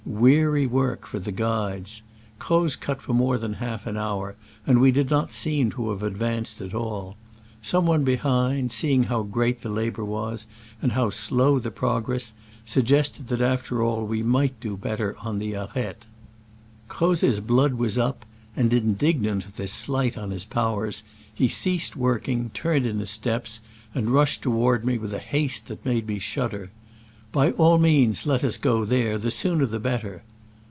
Weary work for the guides. Croz cut for more than half an hour, and we did not seem to hare ad vanced at all. Some one behind, see ing how great the labor was and how slow the progress, suggested that after all we might do better on the arete. Croz*s blood was up, and, indignant at this slight on his powers, he ceased working, turned in his steps, and rushed toward me with a haste that made me $hudder :" By all means let us go there !— ^the sooner the better.'